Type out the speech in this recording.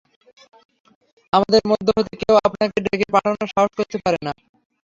আমাদের মধ্য হতে কেউ আপনাকে ডেকে পাঠানোর সাহস করতে পারে না।